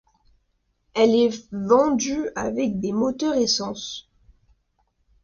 Elle est vendue avec des moteurs essence.